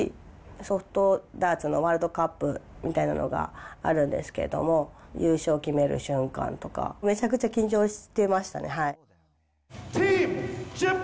ソフトダーツのワールドカップみたいなのがあるんですけども、優勝を決める瞬間とか、めちゃくちゃ緊張してましたね。